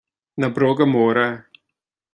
Na bróga móra